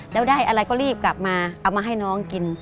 แล้วได้อะไรก็รีบกลับมาเอามาให้น้องกิน